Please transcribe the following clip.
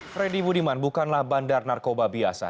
freddy budiman bukanlah bandar narkoba biasa